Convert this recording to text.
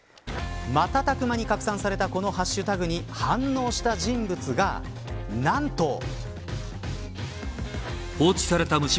瞬く間に拡散されたこのハッシュタグに反応した人物が、何と。